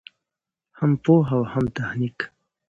هم پوهه او هم تخنیک.